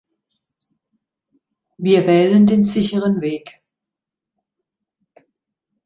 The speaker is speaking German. Wir wählen den sicheren Weg.